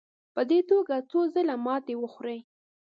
په دې توګه څو ځله ماتې وخوړې.